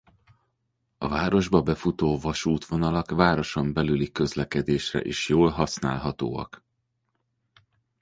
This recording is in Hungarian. A városba befutó vasútvonalak városon belüli közlekedésre is jól használhatóak.